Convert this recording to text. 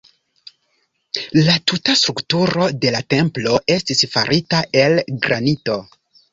La tuta strukturo de la templo estis farita el granito.